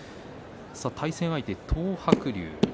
対戦相手の東白龍。